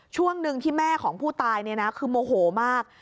ช่วงหนึ่งที่แม่ของผู้ตายคือโมโหมาก